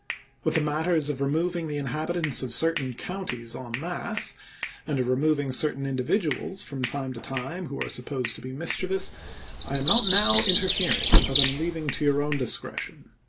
With the matters of removing the inhabitants of certain counties en masse, and of re moving certain individuals from time to time who are supposed to be mischievous, I am not now interfering, but am leaving to your own discretion.